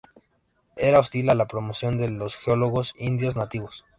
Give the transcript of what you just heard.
Era hostil a la promoción de los geólogos indios nativos.